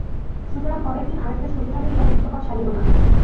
সুতরাং পরের দিন আর-একটা ছবি না লইয়া চিত্রকর ছাড়িল না।